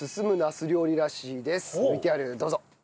ＶＴＲどうぞ！